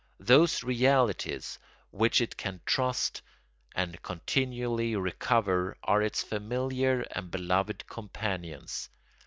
Those realities which it can trust and continually recover are its familiar and beloved companions.